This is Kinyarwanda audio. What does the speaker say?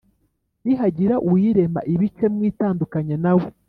Nihagira uwirema ibice mwitandukanye nawe